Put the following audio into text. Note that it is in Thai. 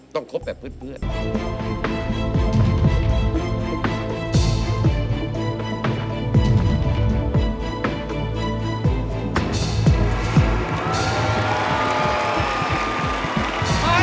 ต้องคบแบบเพื่อน